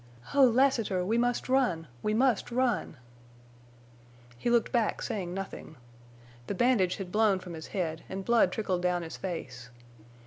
"Oh, Lassiter, we must run—we must run!" He looked back, saying nothing. The bandage had blown from his head, and blood trickled down his face.